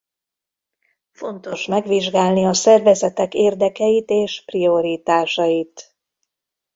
Fontos megvizsgálni a szervezetek érdekeit és prioritásait.